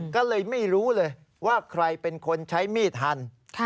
ก็เลยไม่รู้เลยว่าใครเป็นคนใช้มีดหัน